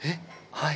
はい。